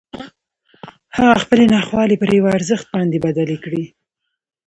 هغه خپلې ناخوالې پر یوه ارزښت باندې بدلې کړې